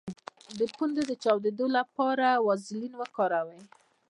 د پوندو د چاودیدو لپاره ویزلین وکاروئ